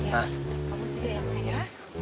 kamu juga ya baik ya